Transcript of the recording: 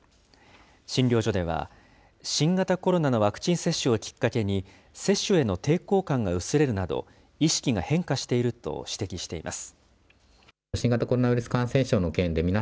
診療所では、新型コロナのワクチン接種をきっかけに、接種への抵抗感が薄れるなど、意識が変化していると指摘しています。